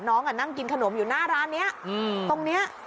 นั่งกินขนมอยู่หน้าร้านนี้ตรงนี้